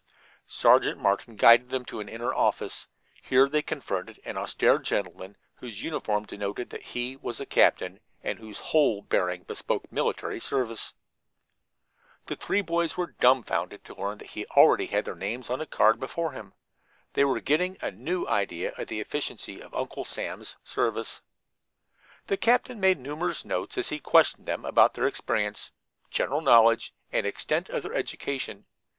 Sergeant Martin guided them to an inner office. Here they confronted an austere gentleman whose uniform denoted that he was a captain, and whose whole bearing bespoke military service. The three boys were dumbfounded to learn that he already had their names on a card before him. They were getting a new idea of the efficiency of Uncle Sam's service. The captain made numerous notes as he questioned them about their experience, general knowledge, and extent of their education.